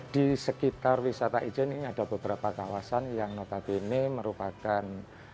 di sekitar wisata ijen ini ada beberapa kawasan yang notabene merupakan